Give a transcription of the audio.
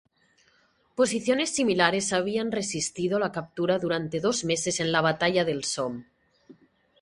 Posiciones similares habían resistido la captura durante dos meses en la batalla del Somme.